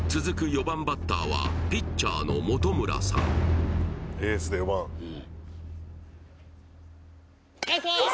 ４番バッターはピッチャーの本村さん・ナイス！